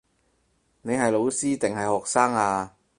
你係老師定係學生呀